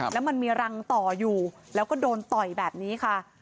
แล้วมันมีรังต่ออยู่แล้วก็โดนต่อยแบบนี้ค่ะ